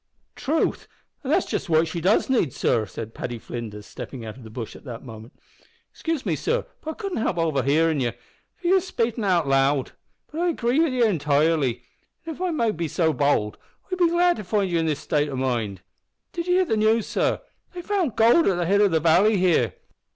"Troth, an' that's just what she does need, sor!" said Paddy Flinders, stepping out of the bush at the moment. "Excuse me, sor, but I cudn't help hearin' ye, for ye was spakin' out loud. But I agree with ye intirely; an', if I may make so bowld, I'm glad to find ye in that state o' mind. Did ye hear the news, sor? They've found goold at the hid o' the valley here."